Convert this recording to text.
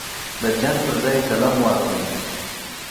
د جنګ پر ځای قلم واخلئ.